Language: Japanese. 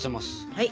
はい。